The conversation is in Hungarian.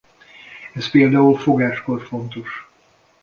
Ez például fogáskor fontos.